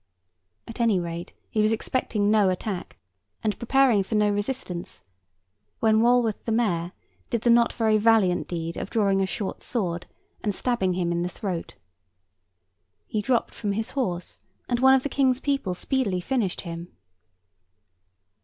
At any rate he was expecting no attack, and preparing for no resistance, when Walworth the Mayor did the not very valiant deed of drawing a short sword and stabbing him in the throat. He dropped from his horse, and one of the King's people speedily finished him.